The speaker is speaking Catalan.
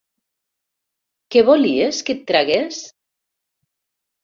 Què volies que en tragués?